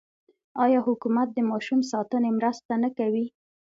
آیا حکومت د ماشوم ساتنې مرسته نه کوي؟